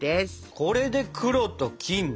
これで黒と金ね！